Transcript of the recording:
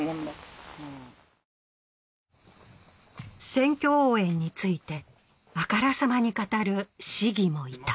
選挙応援について、あからさまに語る市議もいた。